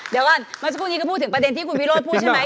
เดี๋ยวก่อนเมื่อสักครู่นี้ก็พูดถึงประเด็นที่คุณวิโรธพูดใช่ไหม